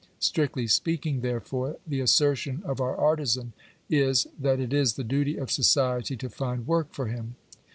Strictly speaking, therefore, the assertion of our artizan is, that it is the duty of society to find work for him.